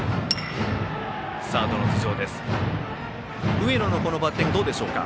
上野のこのバッティングどうでしょうか。